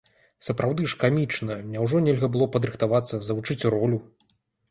Сапраўды ж, камічна, няўжо нельга было падрыхтавацца, завучыць ролю?